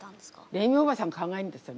レミおばさんが考えるんですよ